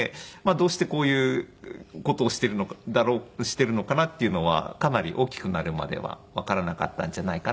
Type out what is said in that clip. どうしてこういう事をしているのかなっていうのはかなり大きくなるまではわからなかったんじゃないかなとは思います。